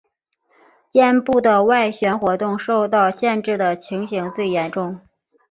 肩部的外旋活动受到限制的情形最严重。